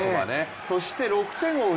そして６点を追う